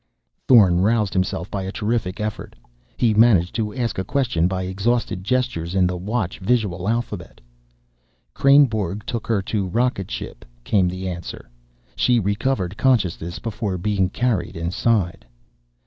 Thorn roused himself by a terrific effort. He managed to ask a question by exhausted gestures in the Watch visual alphabet. "Kreynborg took her to rocket ship," came the answer. "She recovered consciousness before being carried inside."